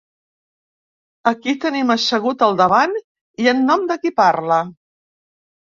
A qui tenim assegut al davant i en nom de qui parla?